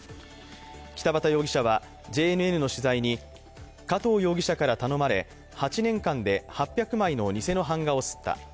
北畑容疑者はＪＮＮの取材に加藤容疑者から頼まれ８年間で８００枚の偽の版画を刷った。